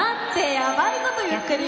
やばい事言ってるよ！